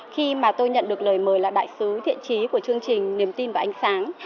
khi mà tôi nhận được lời mời là đại sứ thiện trí của chương trình niềm tin và ánh sáng